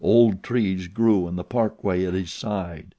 Old trees grew in the parkway at his side.